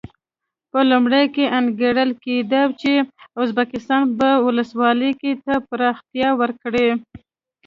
په لومړیو کې انګېرل کېده چې ازبکستان به ولسواکي ته پراختیا ورکړي.